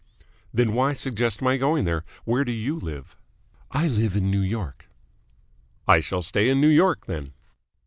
"Then why suggest my going there? Where do you live?" "I live in New York." "I shall stay in New York, then."